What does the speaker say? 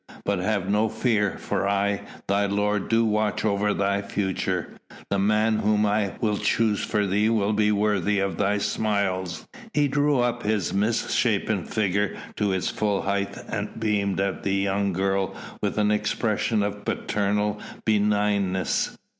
But have no fear, for I, thy lord, do watch over thy future the man whom I will choose for thee will be worthy of thy smiles." He drew up his misshapen figure to its full height and beamed at the young girl with an expression of paternal benignness.